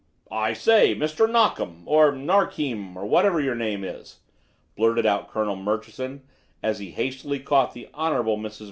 "I say, Mr. Knockem, or Narkhim, or whatever your name is," blurted out Colonel Murchison, as he hastily caught the Hon. Mrs.